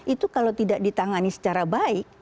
itu kalau tidak ditangani secara baik